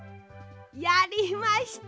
やりました！